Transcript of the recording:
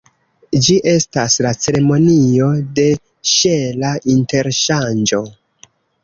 Ĝi estas la ceremonio de ŝela interŝanĝo.